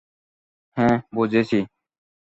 হ্যাঁ, বুঝেছি।